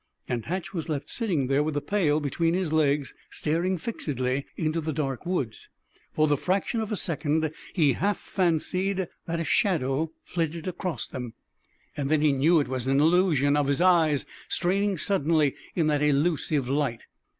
And Hatch was left sitting there with the pail between his legs, staring fixedly into the dark woods. For the fraction of a second he half fancied that a shadow flitted across them. Then he knew it was an illusion of his eyes, straining suddenly in that illusive light.